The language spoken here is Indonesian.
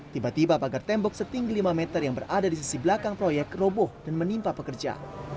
tiba tiba pagar tembok setinggi lima meter yang berada di sisi belakang proyek roboh dan menimpa pekerja